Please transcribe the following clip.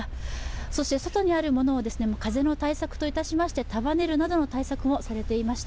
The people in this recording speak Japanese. そして外にあるものを風の対策といたしまして束ねるなどの対策もされていました。